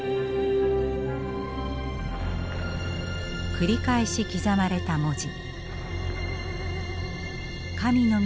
繰り返し刻まれた文字。